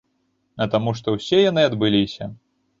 А таму што ўсе яны адбыліся.